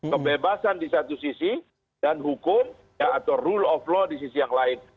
kebebasan di satu sisi dan hukum atau rule of law di sisi yang lain